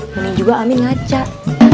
mending juga amin ngajak